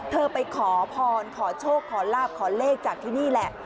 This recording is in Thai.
ไปขอพรขอโชคขอลาบขอเลขจากที่นี่แหละ